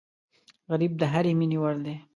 غریب د هرې مینې وړ دی